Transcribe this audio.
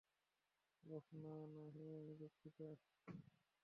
অহ, না, না হেই আমি দুঃখিত।